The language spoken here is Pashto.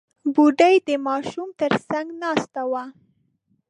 بوډۍ د ماشوم تر څنګ ناسته وه.